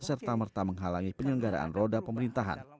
serta merta menghalangi penyelenggaraan roda pemerintahan